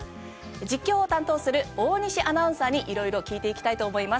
実況を担当する大西アナウンサーに色々聞いていきたいと思います。